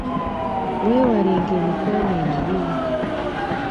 Weewalenga emikwano emibi.